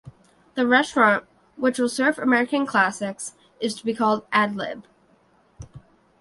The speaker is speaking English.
The restaurant, which will serve American classics, is to be called Ad Lib.